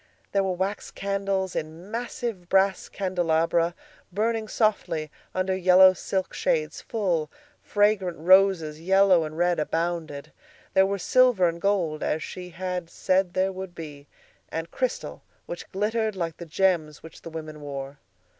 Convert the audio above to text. There were wax candles, in massive brass candelabra, burning softly under yellow silk shades; full, fragrant roses, yellow and red, abounded. There were silver and gold, as she had said there would be, and crystal which glittered like the gems which the women wore.